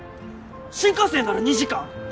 新幹線なら２時間。